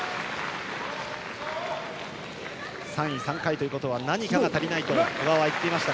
３位、３回ということは何かが足りないと小川は言っていました。